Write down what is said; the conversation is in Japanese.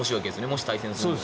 もし対戦するなら。